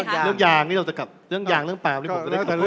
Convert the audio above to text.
คิดว่าเราจะกรับช่ำตาเรื่องแยงท์กับแผมนี่ได้ไหม